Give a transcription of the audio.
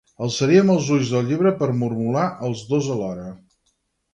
Alçaríem els ulls del llibre per mormolar els dos alhora.